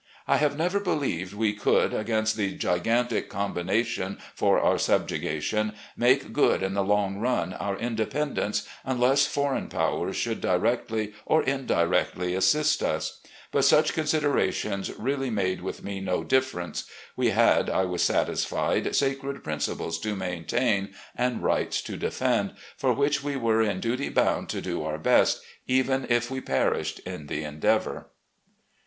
. I have never believed we could, against the gigantic combination for our subjugation, make good in the long run our independence unless foreign powers should, directly or indirectly, assist us. ... But such considerations really made with me no difference. We had, I was satisfied, sacred principles to maintain and rights to defend, for which we were in duty bovmd to do our best, even if we perished in the endeavour."